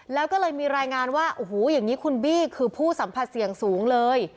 แล้วก็เลยมีรายงานว่าโอ้โหอย่างนี้คุณบี้คือผู้สัมผัสเสี่ยงสูงเลย